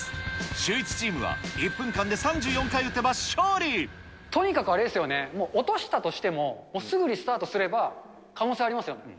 シューイチチームは、とにかくあれですよね、落としたとしても、すぐリスタートすれば、可能性ありますよね。